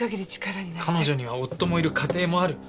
彼女には夫もいる家庭もある。